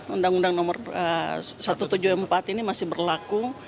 undang undang nomor satu ratus tujuh puluh empat ini masih berlaku